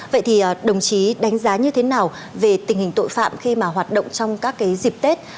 vậy thì đồng chí đánh giá như thế nào về tình hình tội phạm khi mà hoạt động trong các cái dịp tết